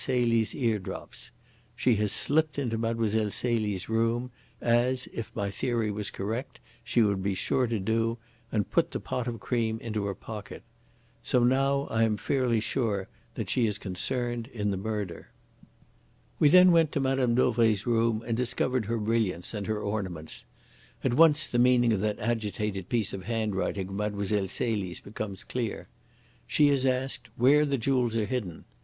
Celie's eardrops. She has slipped into Mlle. Celie's room, as, if my theory was correct, she would be sure to do, and put the pot of cream into her pocket. So I am now fairly sure that she is concerned in the murder. "We then went to Mme. Dauvray's room and discovered her brilliants and her ornaments. At once the meaning of that agitated piece of hand writing of Mlle. Celie's becomes clear. She is asked where the jewels are hidden.